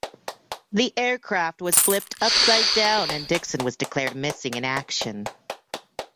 The aircraft was flipped upside down and Dickson was declared missing in action.